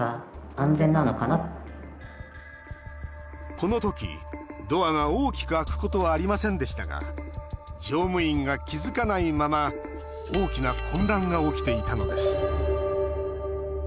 このとき、ドアが大きく開くことはありませんでしたが乗務員が気付かないまま大きな混乱が起きていたのです。